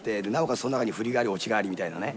その中に振りがあり、落ちがありみたいなね。